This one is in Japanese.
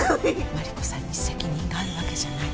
マリコさんに責任があるわけじゃない。